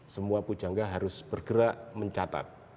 semua pujangga harus bergerak mencatat